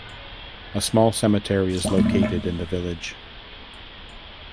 A small cemetery is located in the village.